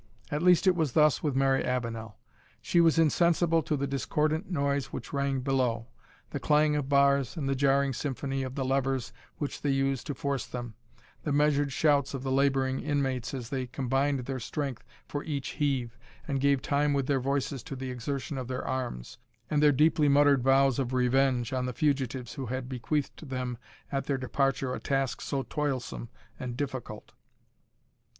At least it was thus with Mary Avenel. She was insensible to the discordant noise which rang below, the clang of bars and the jarring symphony of the levers which they used to force them, the measured shouts of the labouring inmates as they combined their strength for each heave, and gave time with their voices to the exertion of their arms, and their deeply muttered vows of revenge on the fugitives who had bequeathed them at their departure a task so toilsome and difficult.